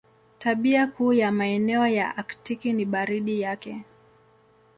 Tabia kuu ya maeneo ya Aktiki ni baridi yake.